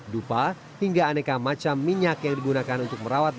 dupa hingga aneka macam minyak yang digunakan untuk merawat